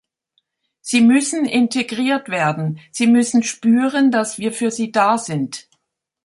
Sie müssen integriert werden, sie müssen spüren, dass wir für sie da sind.